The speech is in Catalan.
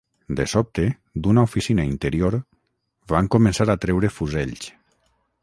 De sobte, d'una oficina interior, van començar a treure fusells